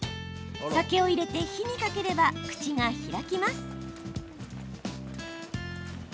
酒を入れて火にかければ口が開きます。